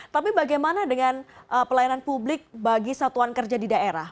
tapi bagaimana dengan pelayanan publik bagi satuan kerja di daerah